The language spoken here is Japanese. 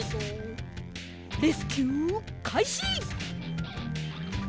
レスキューかいし！